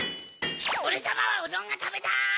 オレさまはうどんがたべたい！